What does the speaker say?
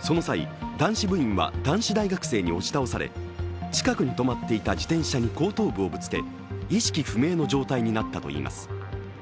その際、男子部員は男子大学生に押し倒され近くに止まっていた自転車に後頭部をぶつけ意識不明の状態になったといいます。